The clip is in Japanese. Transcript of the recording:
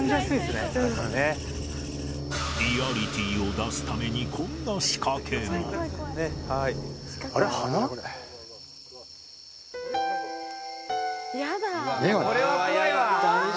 リアリティを出すためにこんな仕掛けも「やだ」